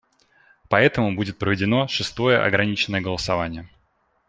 Поэтому будет проведено шестое ограниченное голосование.